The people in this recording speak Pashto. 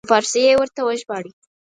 په فارسي یې ورته وژباړي.